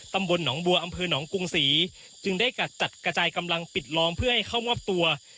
ตำบลหนองบัวอำเภอหนองกรุงศรีจึงได้จัดกระจายกำลังปิดล้อมเพื่อให้เข้ามอบตัว